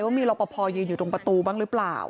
ว่ามีรอปภยืนอยู่ตรงประตูบ้างหรือเปล่า